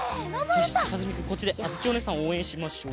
よしじゃあかずふみくんこっちであづきおねえさんをおうえんしましょう。